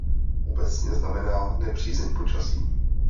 Obecně znamená nepřízeň počasí.